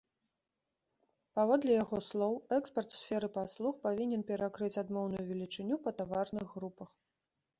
Паводле яго слоў, экспарт сферы паслуг павінен перакрыць адмоўную велічыню па таварных групах.